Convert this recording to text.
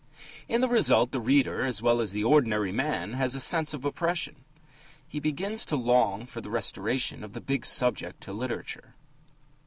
In the result the reader as well as the ordinary man has a sense of oppression. He begins to long for the restoration of the big subject to literature.